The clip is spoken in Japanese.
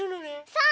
そう！